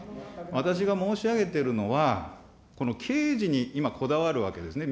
私が申し上げているのは、この刑事に、今こだわるわけですね。